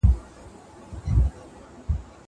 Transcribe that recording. درسونه تيار کړه!!